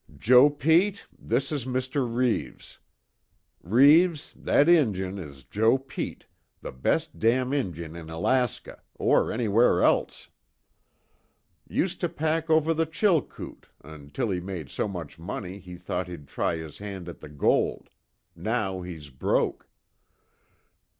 "Joe Pete, this is Mr. Reeves. Reeves, that Injun is Joe Pete, the best damned Injun in Alaska, or anywhere else. Used to pack over the Chilkoot, until he made so much money he thought he'd try his hand at the gold now he's broke.